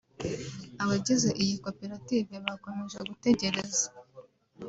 Abagize iyi koperative bakomeje gutegereza